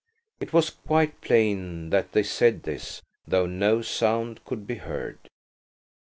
It was quite plain that they said this, though no sound could be heard.